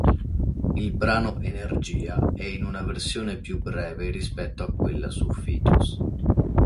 Il brano "Energia" è in una versione più breve rispetto a quella su "Fetus".